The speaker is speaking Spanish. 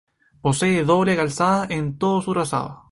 Posee doble calzada en todo su trazado.